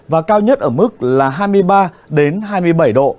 và cao nhất ở mức là hai mươi ba hai mươi bảy độ